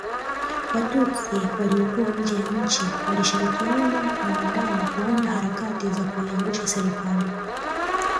Watutsi waliokuwa nje ya nchi walishirikiana na wa ndani kuanza harakati za kuiangusha Serikali